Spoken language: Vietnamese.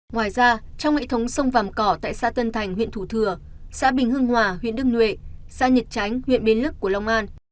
ngoài ra trong hệ thống sông vàm cỏ tại xã tân thành huyện thủ thừa xã bình hưng hòa huyện đức nhuệ xã nhật chánh huyện bến lức của long an